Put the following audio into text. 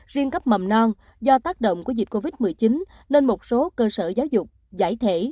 riêng cấp mầm non do tác động của dịch covid một mươi chín nên một số cơ sở giáo dục giải thể